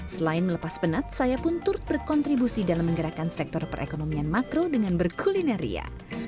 selain melepas penat saya pun turut berkontribusi dalam menggerakkan sektor perekonomian makro dengan berkulinaria